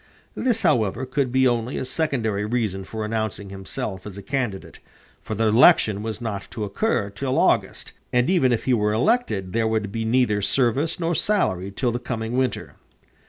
This, however, could be only a secondary reason for announcing himself as a candidate, for the election was not to occur till August, and even if he were elected there would be neither service nor salary till the coming winter.